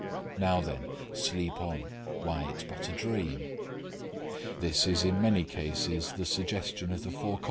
"Now, then, sleep on; why, it's but a dream"; this is in many cases the suggestion of the Forec.